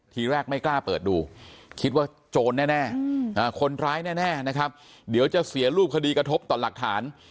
ทีแรกไม่กล้าเปิดดูคิดว่าโจรแน่คนร้ายแน่นะครับเดี๋ยวจะเสียรูปคดีกระทบต่อหลักฐาน